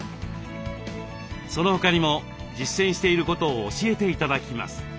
その他にも実践していることを教えて頂きます。